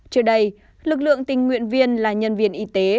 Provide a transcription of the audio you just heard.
trước đây lực lượng tình nguyện viên là nhân viên y tế